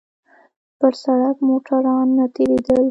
پر سړک موټران نه تېرېدل.